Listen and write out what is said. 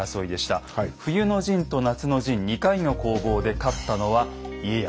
冬の陣と夏の陣２回の攻防で勝ったのは家康。